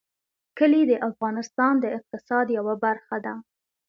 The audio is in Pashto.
کلي د افغانستان د اقتصاد یوه برخه ده.